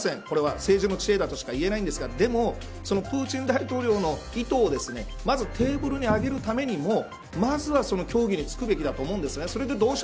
これは政治の知恵だとしか言えないんですがでも、プーチン大統領の意図をまずテーブルに上げるためにもまずは協議につくべきだと思うんです。